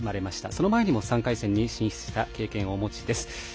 その前にも３回戦に進出した経験をお持ちです。